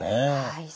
はい。